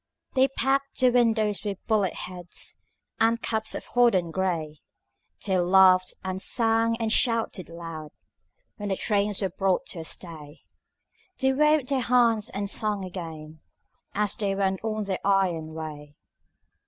They packed the windows with bullet heads And caps of hodden gray; They laughed and sang and shouted loud When the trains were brought to a stay; They waved their hands and sang again As they went on their iron way.